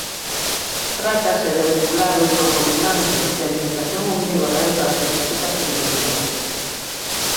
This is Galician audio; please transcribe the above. Trátase de ungulados non ruminantes de alimentación omnívora e características primitivas.